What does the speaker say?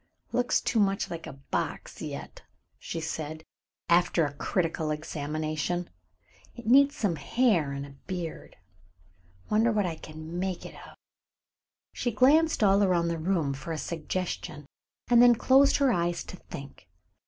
"Looks too much like a box yet," she said, after a critical examination. "It needs some hair and a beard. Wonder what I can make it of." She glanced all around the room for a suggestion, and then closed her eyes to think.